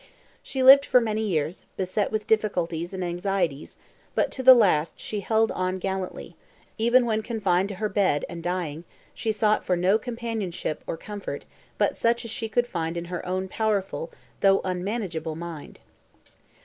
She lived for many years, beset with difficulties and anxieties, but to the last she held on gallantly: even when confined to her bed and dying she sought for no companionship or comfort but such as she could find in her own powerful, though unmanageable, mind.